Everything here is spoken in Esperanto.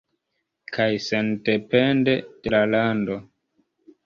Kaj sendepende de la lando.